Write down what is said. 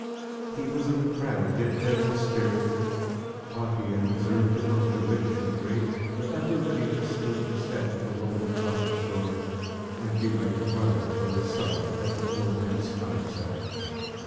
He was of a proud, yet gentle spirit, haughty and reserved among the rich and great; but ever ready to stoop his head to the lowly cottage door, and be like a brother or a son at the poor man's fireside.